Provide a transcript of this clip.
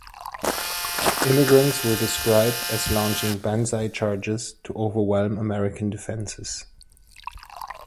Immigrants were described as launching "banzai charges" to overwhelm American defenses.